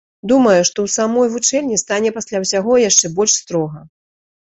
Думаю, што ў самой вучэльні стане пасля ўсяго яшчэ больш строга.